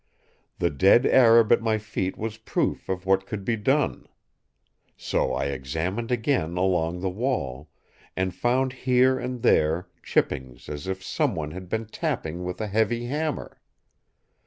The dead Arab at my feet was proof of what could be done! So I examined again along the wall; and found here and there chippings as if someone had been tapping with a heavy hammer.